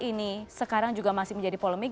ini sekarang juga masih menjadi polemik